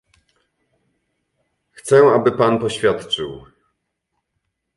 "Chcę, aby pan poświadczył."